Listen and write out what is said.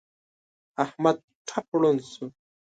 احمد ټپ ړوند شو.